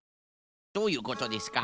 どういうことですか？